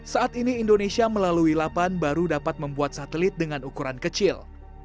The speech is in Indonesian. saat ini indonesia melalui lapan baru dapat membuat satelit dengan ukuran kecil